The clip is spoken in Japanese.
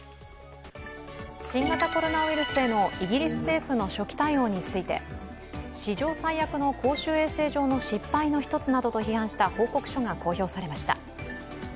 新型コロナウイルスへのイギリス政府の初期対応について史上最悪の公衆衛生上の失敗の一つなどと批判した報告書が公表されました。